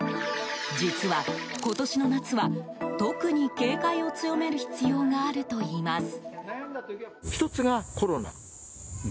実は、今年の夏は特に警戒を強める必要があるといいます。